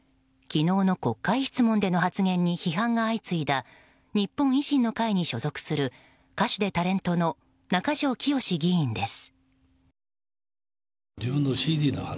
昨日の国会質問での発言に批判が相次いだ日本維新の会に所属する歌手でタレントの中条きよし議員です。